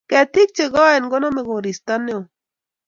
Ketik chegoen koname koristo neoo